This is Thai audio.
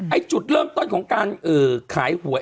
จุดเริ่มต้นของการขายหวย